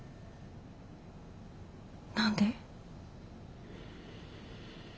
何で？